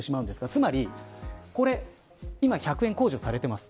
つまり今１００円控除されています。